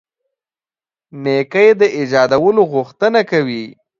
نېکۍ د ایجادولو غوښتنه کوي.